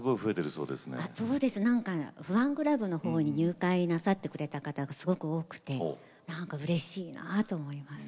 そうですなんかファンクラブのほうに入会なさってくれた方がすごく多くてなんかうれしいなと思います。